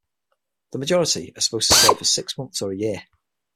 The majority are supposed to serve for six months or a year.